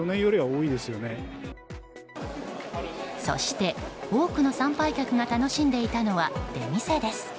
そして多くの参拝客が楽しんでいたのは出店です。